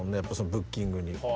ブッキングに。